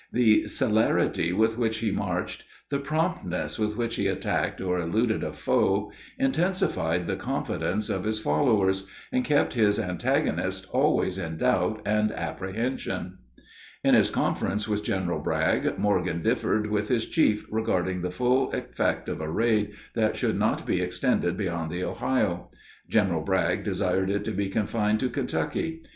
The celerity with which he marched, the promptness with which he attacked or eluded a foe, intensified the confidence of his followers, and kept his antagonists always in doubt and apprehension. [Illustration: Map] In his conference with General Bragg, Morgan differed with his chief regarding the full effect of a raid that should not be extended beyond the Ohio. General Bragg desired it to be confined to Kentucky.